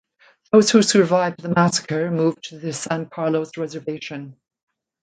Those who survived the massacre moved to the San Carlos Reservation.